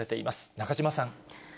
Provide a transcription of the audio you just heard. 中島さん。